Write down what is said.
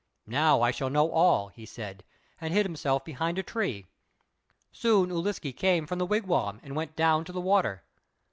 "Now I shall know all," he said, and hid himself behind a tree. Soon Ūliske came from the wigwam and went down to the water.